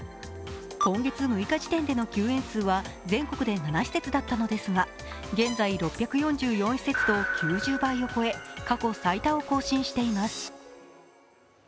今月６日時点での休園数は全国で７施設だったのですが、現在６４４施設と９０倍を超え過去最多を更新しています。